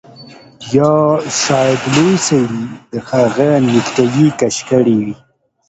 یا شاید لوی سړي د هغه نیکټايي کش کړې وي